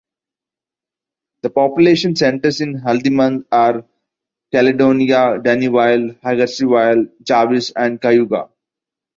The population centres in Haldimand are Caledonia, Dunnville, Hagersville, Jarvis and Cayuga.